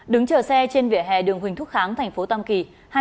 đứng chờ xe trên vỉa hè đường huỳnh thúc kháng thành phố tam kỳ